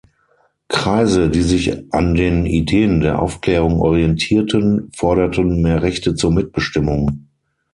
Kreise, die sich an den Ideen der Aufklärung orientierten, forderten mehr Rechte zur Mitbestimmung.